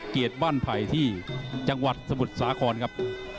บ้านไผ่ที่จังหวัดสมุทรสาครครับ